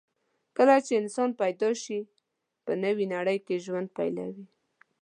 کله چې انسان پیدا شي، په نوې نړۍ کې ژوند پیلوي.